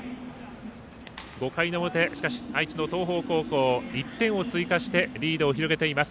５回の表しかし愛知の東邦高校１点を追加してリードを広げています。